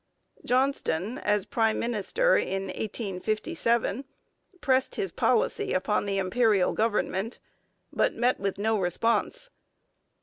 Johnston, as prime minister in 1857, pressed his policy upon the Imperial government, but met with no response.